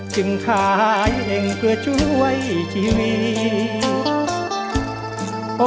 จึงขายแห่งเพื่อช่วยชีวิต